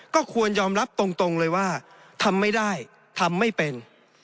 ก็ควรยอมรับตรงเลยว่าทำไม่ได้ทำไม่เป็น